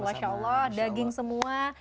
masya allah daging semua